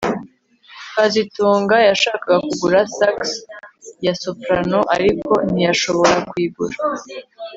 kazitunga yashakaga kugura sax ya soprano ariko ntiyashobora kuyigura